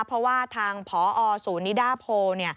เพราะว่าทางพอสูนิดาโพล